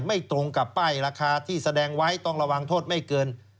ตรงกับป้ายราคาที่แสดงไว้ต้องระวังโทษไม่เกิน